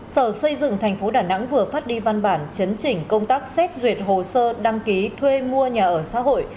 sở xây dựng thành phố đà nẵng vừa phát đi văn bản chấn chỉnh công tác xét duyệt hồ sơ đăng ký thuê mua nhà ở xã hội